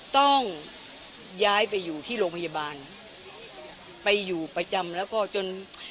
ต้องย้ายไปอยู่ที่โรงพยาบาลไปอยู่ประจำแล้วก็จน